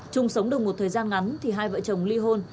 chung sống được một thời gian ngắn thì hai vợ chồng ly hôn